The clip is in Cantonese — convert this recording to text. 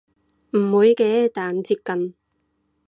唔會嘅但接近